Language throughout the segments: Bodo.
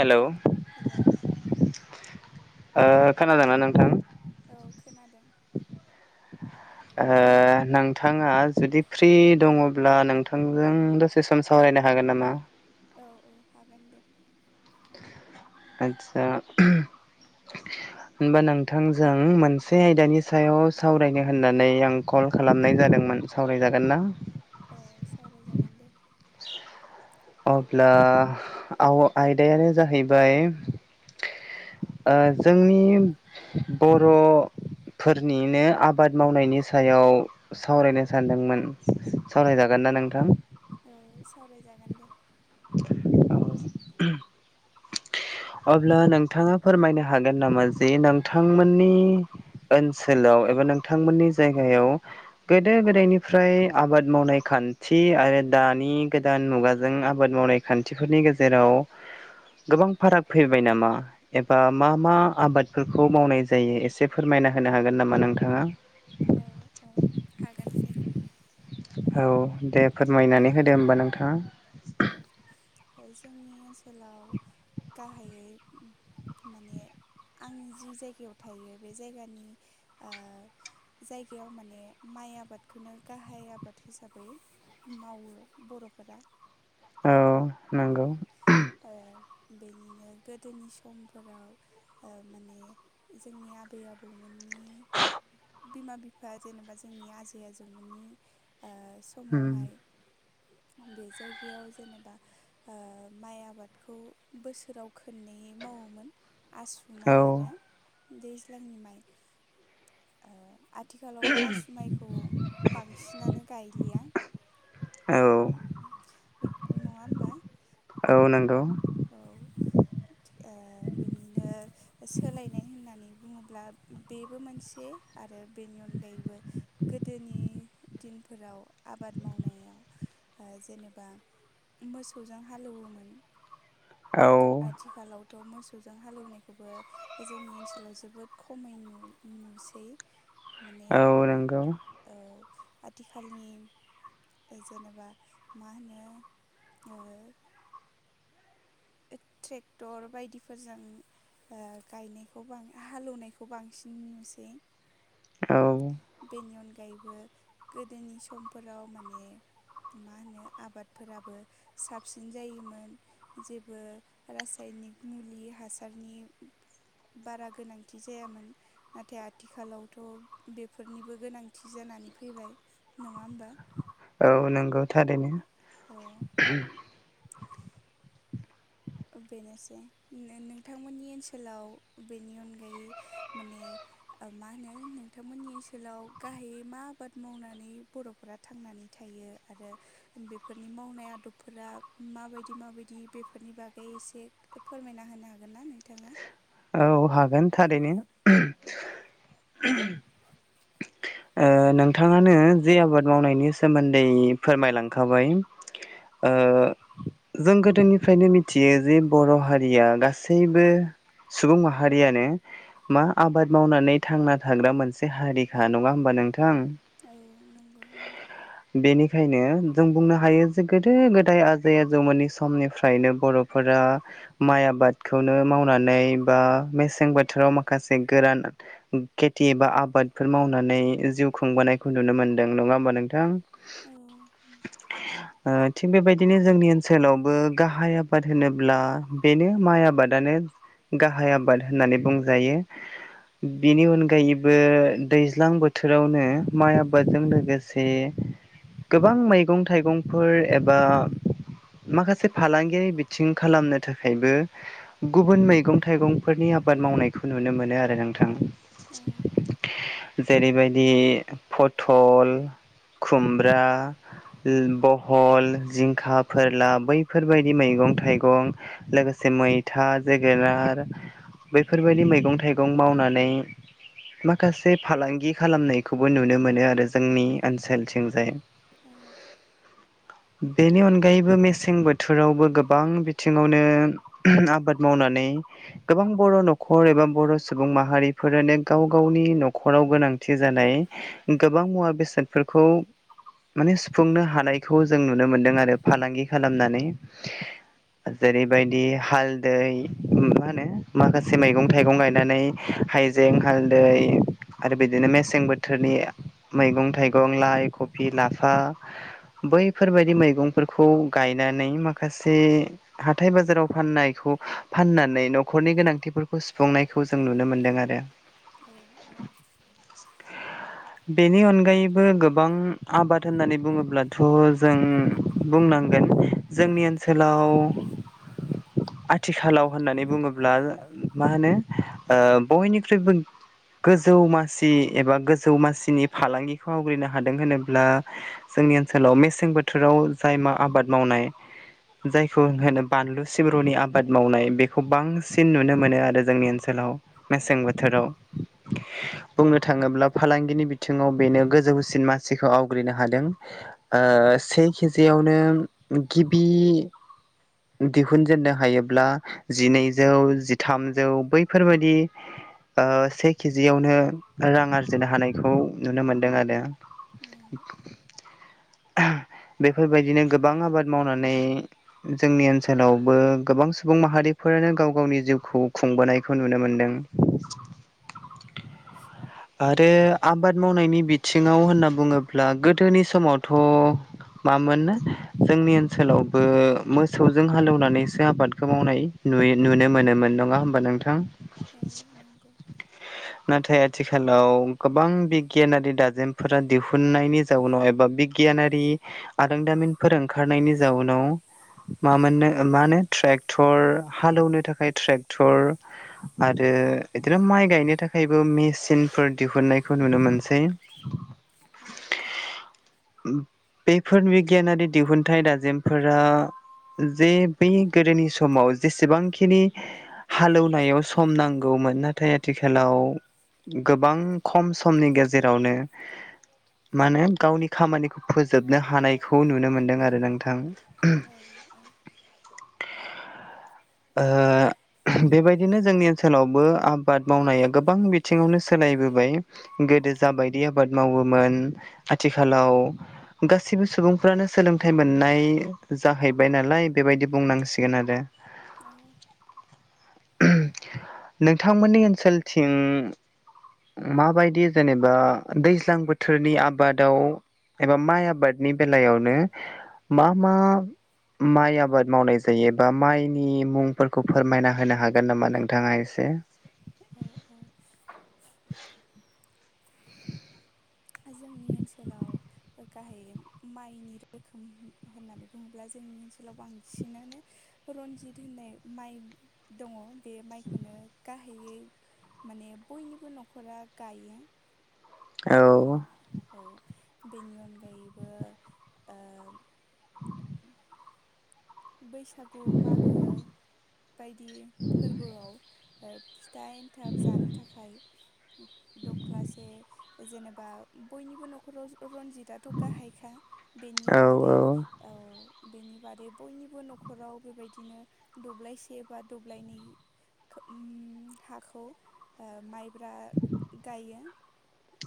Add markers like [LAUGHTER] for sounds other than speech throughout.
हेलौ हेलौ ओ खोनादोंना नोंथां औ खोनादों ओ नोंथाङा जुदि फ्रि दङ ब्ला नोंथांजों दसे सम सावरायनो हागोन नामा औ औ हागोन दे आदसा [UNINTELLIGIBLE] होनबा नोंथांजों मोनसे आयदानि सायाव सावरायनो होननानै आं कल खालामनाय जादोंमोन सावरायजागोन ना औ सावरायजागोन दे अब्ला आव आयदायानो जाहैबाय ओ जोंनि बर'फोरनिनो आबाद मावनायनि सायाव सावरायनो सानदोंमोन सावरायजागोन ना नोंथां औ सावरायजागोन दे औ [UNINTELLIGIBLE] अब्ला नोंथाङा फोरमायनो हागोन नामा जे नोंथांमोननि ओनसोलाव एबा नोंथांमोननि जायगायाव गोदो गोदायनिफ्राय आबाद मावनाय खान्थि आरो दानि गोदान मुगाजों आबाद मावनाय खान्थिफोरनि गेजेराव गोबां फाराग फैबाय नामा एबा मा मा आबादफोरखौ मावनाय जायो एसे फोरमायना होनो हागोन नामा नोंथाङा औ औ हागोन दे औ दे औ फोरमायनानै होदो होमबा नोंथाङा औ जोंनि ओनसोलाव गाहायै माने आंनि जि जायगायाव थायो बे जायगानि ओ जायगायाव माने माइ आबादखौनो गाहाय आबाद हिसाबै मावो बर'फोरा औ नोंगौ ओ बेनिनो गोदोनि समफोराव ओ माने जोंनि आबै आबौमोननि बिमा-बिफा जेनेबा जोंनि आजै-आजौमोननि ओ उम समावहाय बे जायगायाव जेनेबा ओ माइ आबादखौ बोसोराव खोननै मावोमोन आसु औ माइ आरो दैज्लांनि माइ ओ आथ आथिखालावथ' आसु माइखौ बांसिनानो गायलिया औ [INAUDIBLE] [UNINTELLIGIBLE] नंङा होमबा? औ नोंगौ औ ओ बिनिनो सोलायनाय होननानै बुंङोब्ला बेबो मोनसे आरो बेनि अनगायैबो गोदोनि दिनफोराव आबाद मावनायाव ओ जेनेबा मोसौजों हालौवोमोन [INAUDIBLE] आथिखालावथ' मोसौजों हालौवनायखौबो जोंनि ओनसोलाव जोबोद खमै नु नुसै माने औ नंगौ औ आथिखालनि जेनेबा मा होनो ओ ट्रेक्टर बायदिफोरजों ओ गायनायखौ बां हालेवनायखौ बांसिन नुसै औ बेनि अनगायैबो गोदोनि समफोराव माने मा होनो आबादफोराबो साबसिन जायोमोन जे बो रासायनिक मुलि हासारनि बारा गोनांथि जायामोन नाथाय आथिखालावथ' बेफोरनिबो गोनांथि जानानै फैबाय नङा होमबा औ नंगौ थारैनो औ बेनोसै नो नोंथांमोननि ओनसोलाव बेनि अनगायै माने ओ मा होनो नोंथांमोननि ओनसोलाव गाहायै मा आबाद मावनानै बर'फोरा थांनानै थायो आरो बेफोरनि मावनाय आदबफोरा माबायदि माबायदि बेफोरनि बाग बे एसे फोरमायना होनो हागोन ना नोंथाङा? औ हागोन थारैनो ओ नोंथाङानो जे आबाद मावनायनि सोमोन्दै फोरमायलांखाबाय ओ जों गोदोनिफ्रायनो मिथियो जे बर' हारिया गासैबो सुबुं माहा हारियानो मा आबाद मावनानै थांना थाग्रा मोनसे हारिखा नङा होमबा नोंथां औ नंगौ नंग बेनिखायनो जों बुंनो हायो जे गोदो गोदाय आजै-आजौमोननि समनिफ्रायनो बर' फोरा माइ आबादखौनो मावनानै बा मेसें बोथोराव माखासे गोरान खेथि बा आबादफोर मावनानै जिउ खुंबोनायखौ नुनो मोनदों नङा होमबा नोंथां [INAUDIBLE] औ नंगौ थिग बेबायदिनो जोंनि ओनसोलावबो गाहाय आबाद होनोब्ला बेनो माइ आबादानो गाहाय आबाद होननानै बुंजायो बिनि अनगायैबो दैज्लां बोथोरावनो माइ आबादजों लोगोसे से गोबां मैगं थाइगंफोर एबा माखासे फालांगियारि बिथिं खालामनो थाखायबो गुबुन मैगं थाइगं बेफोरनि आबाद मावनायखौ नुनो मोनो आरो नोंथां औ जेरैबायदि पथल खुमब्रा बहल जिंखा फोरला बैफोरबायदि मैगं थाइगं लोगोसे मैथा जोगोनार बैफोरबायदि मैगं थाइगं मावनानै माखासे फालांगि खालामनायखौबो नुनो मोनो आरो जोंनि ओनसोलथिंजाय औ बेनि अनगायैबो मेसें बोथोरावबो गोबां बिथिङावनो आबाद मावनानै गोबां बर' न'खर एबा बर' सुबुं माहारिफोरानो गाव गावनि न'खराव गोनां थि जानाय गोबां मुवा बेसादफोरखौ माने सुफुंनो हानायखौ जों नुनो मोन्दों आरो फालांगि खालामनानै जेरैबायदि हालदै मा होनो माखासे मैगं थाइगं गायनानै हाइजें हालदै आरो बिदिनो मेसें बोथोरनि मैगं थाइगं लाइ खफि लाफा बैफोरबायदि मैगंफोरखौ गायनानै माखासे हाथाय बाजाराव फाननायखौ फाननानै न न'खरनि गोनांथिफोरखौ सुफुंनायखौ जों नुनो मोन्दों आरो औ औ [UNINTELLIGIBLE] बेनि अनगायैबो गोबां आबाद होननानै बुङोब्लाथ' जों बुंनांगोन जोंनि ओनसोलाव आथिखालाव होननानै बुङोब्ला ब्ला मा होनो बयनिख्रुइबो गोजौ मासि एबा गोजौ मासिनि फालांगिखौ आवग्रिनो हादों होनोब्ला जोंनि ओनसोलाव मेसें बोथोराव जाय मा आबाद मावनाय जायखौ होनो बानलु सिब्रुनि आबाद मावनाय बेखौ बां बांसिन नुनो मोनो आरो जोंनि ओनसोलाव औ मेसें बोथोराव बुंनो थाङोब्ला फालांगिनि बिथिङाव बेनो गोजौसिन मासिखौ आवग्रिनो हादों ओ से केजियावनो गिबि दिहुनजेननो हायोब्ला जिनै जौ जिथामजौ बैफोरबायदि से केजियावनो रां आरजिनो हानायखौ नुनो मोनदों आरो औ औ बेफोरबायदिनो गोबां आबाद मावनानै जोंनि ओनसोलावबो गोबां सुबुं माहारिफोरानो गाव गावनि जिउखौ खुंबोनायखौ नुनो मोनदों आरो आबाद मावनायनि बिथिङाव होनना बुङोब्ला गोदोनि समावथ' मामोन जोंनि ओनसोलावबो मोसौजों हालेवनानैसो आबादखौ मावनाय नुयो नुनो मोनोमोन नङा होमबा नोंथां औ नंगौ नाथाय आथिखालाव गोबां बिगियानारि दाजेमफोरा दिहुननायनि जाउनाव एबा बिग गियानारि आदांदामिनफोर ओंखारनायनि जाउनाव मा मोननो मा होनो ट्रेक्टर हालेवनो थाखाय ट्रेक्टर आरो बिदिनो माइ गायनो थाखायबो मेचिनफोर दिहुननायखौ नुनो मोनसै [INAUDIBLE] औ औ बेफोर बिगियानारि दिहुनथाइ दाजेमफोरा जे बै गोदोनि समाव जेसेबांखिनि हालौवनायाव सम नांगौमोन नाथाय आथिखालाव गोबां खम समनि गेजेरावनो माने गावनि खामानिखौ फोजोबनो हानायखौ नुनो मोन्दों आरो नोंथां। औ औ ओ ओ बेबायदिनो जोंनि ओनसोलावबो आबाद मावनाया गोबां बिथिङावनो सोलायबोबाय गोदो जाबायदि आबाद मावोमोन आथिखालाव गासैबो सुबुंफ्रानो सोलोंथाइ मोननाय जाहैबाय नालाय बेबायदि बुंनांसिगोन आरो। औ नोंथांमोननि ओनसोलथिं माबायदि जेनेबा दैज्लां बोथोरनि आबादाव एबा माइ आबादनि बेलायावनो मा मा माइ आबाद मावनाय जायोबा माइनि मुंफोरखौ फोरमायना होनो हागोन नामा नोंथाङा एसे? औ औ [INAUDIBLE] जोंनि ओनसोलाव ओ गाहाय माइनि रोखोम होननानै बुङोब्ला जोंनि ओनसोलाव बांसिनानो रनजित होननाय माइ दङ बे माइखौनो गाहायै माने बयनिबो न'खरा गायो। ओ औ औ बेनि अनगायैबो ओ बैसागु मागो बायदि फोरबोआव ओ फिथा एन्थाब जानो थाखाय दख्लासे जेनेबा बयनिबो न'खराव र-रनजितआथ' गाहायखा बेनि औ बादै औ औ बेनि बादै बयनिबो न'खराव बेबायदिनो दब्लायसे बा दब्लायनै खो ओम हाखौ माइब्रा गायो।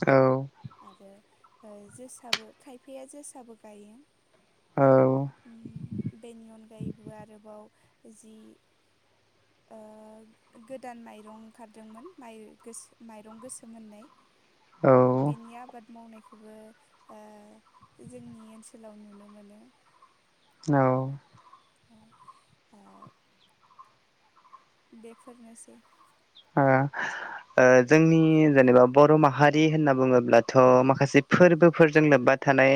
औ। आरो ओ जोसाबो खायफाया जोसाबो गायो। औ। ओम बेनि अनगायैबो आरोबाव जि ओ गो- गोदान माइरं ओंखारदोंमोन माइ गोस- माइरं गोसोम होन्नाय औ। बेनि आबाद मावनायखौबो जोंनि ओनसोलाव नुनो मोनो। औ। औ, ओ बेफोरनोसै। ओ ओ जोंनि जेनेबा बर' माहारि होनना बुङोब्लाथ' माखासे फोरबोफोरजों लोब्बा थानाय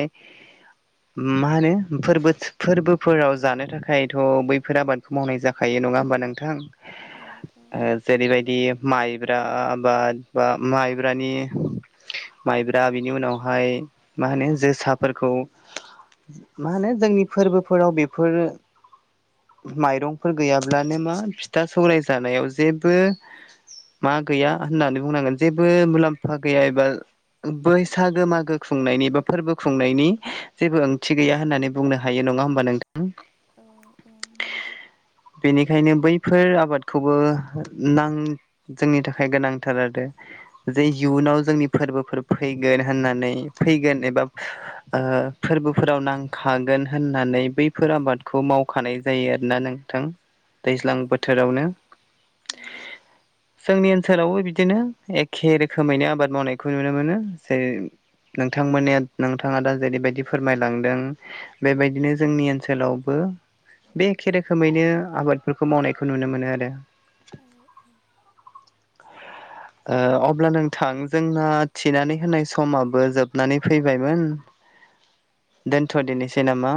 मा होनो फोरबोत फोरबोफोराव जानो थाखायथ' बैफोर आबादखौ मावनाय जा खायो नङा होमबा नोंथां? औ औ ओ जेरैबाय दि माइब्रा बाद- बा माइब्रानि माइब्रा बिनि उनावहाय मा होनो जोसाफोरखौ मा होनो जोंनि फोरबोफोराव बेफोरो माइरंफोर गैयाब्लानो मा फिथा सौराय जानायाव जेबो मा गैया होननानै बुंनांगोन जेबो मुलाम्फा गैया एबा बैसागो मागो खुंनायनि बा फोरबो खुंनायनि जेबो ओंथि गैया होननानै बुंनो हायो नङा होमबा नों औ औ नंगौ। बेनिखायनो बैफोर आबादखौबो नां जोंनि थाखाय गोनांथार आरो। जे इयुनाव जोंनि फोरबोफोर फैगोन होननानै फैगोन एबा फोरबोफोराव नांखागोन होननानै बैफोर आबादखौ मावखानाय जायो आरोना नोंथां। औ दैज्लां नंगौ बोथोरावनो नंगौ। जोंनि ओनसोलावबो बिदिनो एखे रोखोमैनो आबाद मावनायखौ नुनो मोनो, जेरै नोंथांमोन नोंथाङा दा जेरैबायदि फोरमायलांदों। बेबायदिनो जोंनि ओनसोलावबो बे एखे रोखोमैनो आबादफोरखौ मावनायखौ नुनो मोनो आरो। औ औ। ओ अब्ला नोंथां जोंना थिनानै होनाय समाबो जोबनानै फैबायमोन। दोनथ' दिनोसै नामा?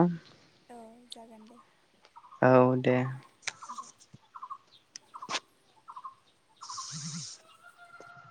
औ जागोन दे औ दे। दे [UNINTELLIGIBLE]